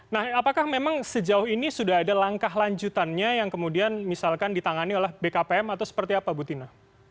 nah apakah memang sejauh ini sudah ada langkah lanjutannya yang kemudian misalkan ditangani oleh bkpm atau seperti apa bu tina